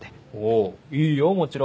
おいいよもちろん。